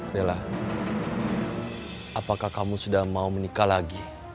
bella apakah kamu sudah mau menikah lagi